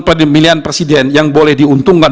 pemilihan presiden yang boleh diuntungkan